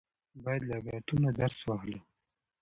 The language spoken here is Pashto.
باید له عبرتونو درس واخلو.